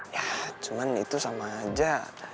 ya cuman itu sama aja